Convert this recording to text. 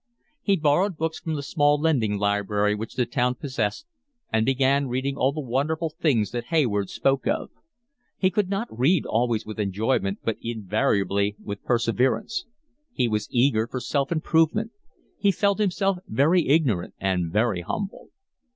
He borrowed books from the small lending library which the town possessed and began reading all the wonderful things that Hayward spoke of. He did not read always with enjoyment but invariably with perseverance. He was eager for self improvement. He felt himself very ignorant and very humble.